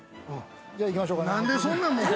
じゃあ行きましょうか。